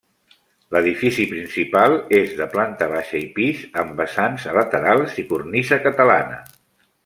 L’edifici principal és de planta baixa i pis, amb vessants a laterals i cornisa catalana.